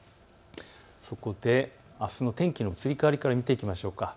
そこであすの天気の移り変わりから見ていきましょう。